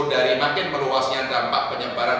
dari makin meluasnya dampak penyebaran